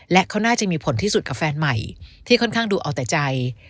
และเขาน่าจะมีผลที่สุดกับแฟนใหม่ที่ค่อนข้างดูเอาแต่ใจ